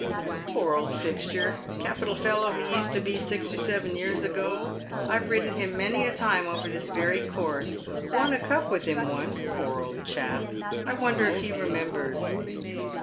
"Poor old Fixture. Capital fellow he used to be six or seven years ago. I've ridden him many a time over this very course. Won • cup with him once, poor old chap. I wonder if he remembers?"